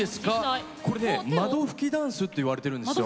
これね窓拭きダンスっていわれてるんですよ。